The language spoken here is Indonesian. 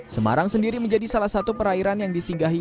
semarang sendiri menjadi salah satu perairan yang disinggahi